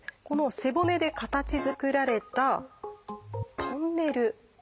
この背骨で形づくられたトンネル。